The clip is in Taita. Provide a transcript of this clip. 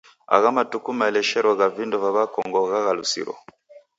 Agha matuku maeleshero gha vindo va w'akongo ghaghalusiro.